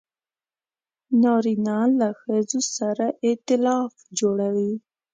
نارینه له ښځو سره ایتلاف جوړوي.